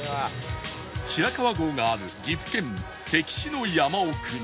白川郷がある岐阜県関市の山奥に